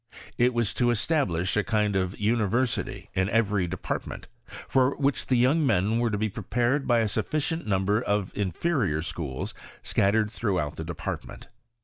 It was to establish a kind of university in every department, for which the young men were to be prepared by a sufficient number of inferior schools scattered through the department.